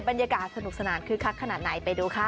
บรรยากาศสนุกสนานคึกคักขนาดไหนไปดูค่ะ